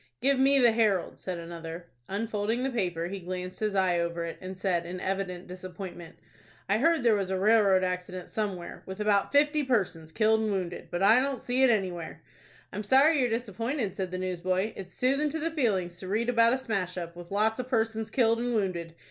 "Give me the 'Herald,'" said another. Unfolding the paper, he glanced his eye over it, and said, in evident disappointment, "I heard there was a railroad accident somewhere, with about fifty persons killed and wounded; but I don't see it anywhere." "I'm sorry you're disappointed," said the newsboy. "It's soothin' to the feelings to read about a smash up, with lots of persons killed and wounded.